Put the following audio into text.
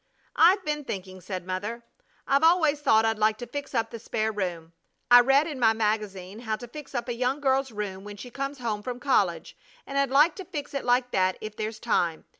"I've been thinking," said Mother. "I've always thought I'd like to fix up the spare room. I read in my magazine how to fix up a young girl's room when she comes home from college, and I'd like to fix it like that if there's time.